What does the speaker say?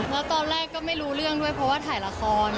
แล้วตอนแรกก็ไม่รู้เรื่องด้วยเพราะว่าถ่ายละคร